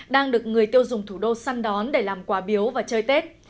đang được người tiêu dùng thủ đô săn đón để làm quà biếu và chơi tết